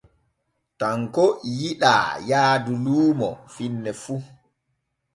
Tanko yiɗaa yaadu luumo finne fu.